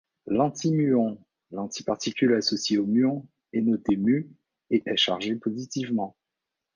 L'antimuon, l'antiparticule associée au muon, est notée μ et est chargée positivement.